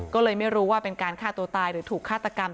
ก็เลยไม่รู้ว่าเป็นการฆ่าตัวตายหรือถูกฆาตกรรม